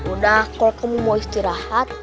udah kalau kamu mau istirahat